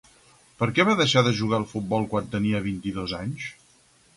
Per què va deixar de jugar al futbol quant tenia vint-i-dos anys?